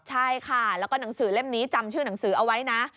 ใช่ค่ะแล้วก็หนังสือเล่มนี้จำชื่อหนังสือเอาไว้นะ